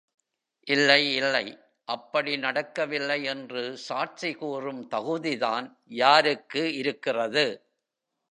இல்லை, இல்லை அப்படி நடக்கவில்லை என்று சாட்சி கூறும் தகுதிதான் யாருக்கு இருக்கிறது?